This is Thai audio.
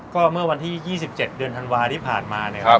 ก็เมื่อวันที่๒๗เดือนธันวาที่ผ่านมาเนี่ย